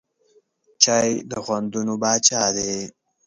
چای د خوندونو پاچا دی.